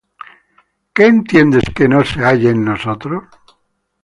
¿Qué entiendes que no se halle en nosotros?